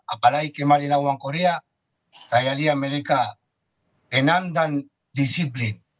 apalagi kemarin lawan korea saya lihat mereka tenang dan disiplin